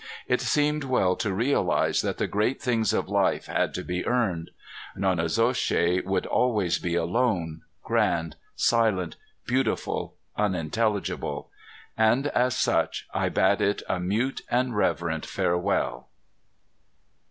It seemed well to realize that the great things of life had to be earned. Nonnezoshe would always be alone, grand, silent, beautiful, unintelligible; and as such I bade it a mute, reverent farewell.